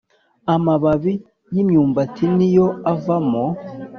amababi y’imyumbati ni yo avamo